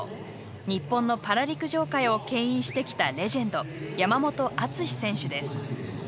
日本のパラ陸上界をけん引してきたレジェンド山本篤選手です。